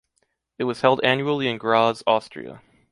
It was held annually in Graz, Austria.